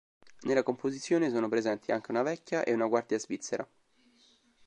Nella composizione sono presenti anche una vecchia e una guardia svizzera.